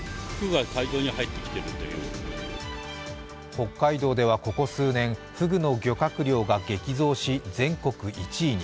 北海道ではここ数年、ふぐの漁獲量が激増し、全国１位に。